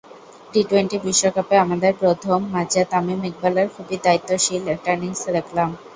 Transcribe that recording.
T twenty বিশ্বকাপে আমাদের প্রথম ম্যাচে তামিম ইকবালের খুবই দায়িত্বশীল একটা ইনিংস দেখলাম।